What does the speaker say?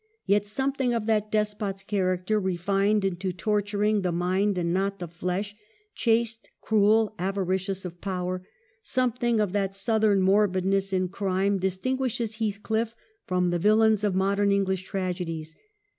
Yet something of that despot's character, refined into torturing the mind and not the flesh, chaste, cruel, avaricious of power, something of that southern morbidness in crime, distinguishes Heathcliff from the villains of mod ern English tragedies.